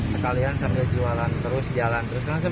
sekalian serga jualan terus jalan